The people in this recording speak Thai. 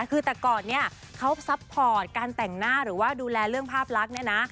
คือแต่ก่อนเนี่ยเขาซัพพอร์ตการแต่งหน้าหรือว่าดูแลเรื่องภาพลักษณ์เนี่ยนะ